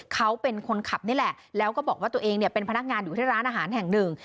เขาเป็นคนขับนี่แหละแล้วก็บอกว่าตัวเองเนี่ยเป็นพนักงานอยู่ที่ร้านอาหารแห่งหนึ่ง